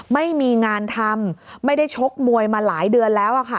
ไม่มีงานทำไม่ได้ชกมวยมาหลายเดือนแล้วค่ะ